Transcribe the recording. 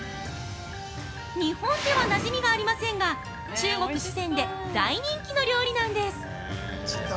日本では、なじみがありませんが中国・四川で大人気の料理なんです。